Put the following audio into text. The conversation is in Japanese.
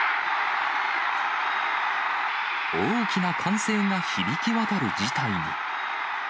大きな歓声が響き渡る事態に。